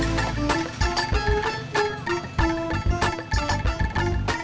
mana uang kembalian belanja